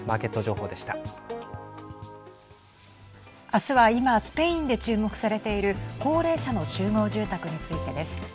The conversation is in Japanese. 明日は今、スペインで注目されている高齢者の集合住宅についてです。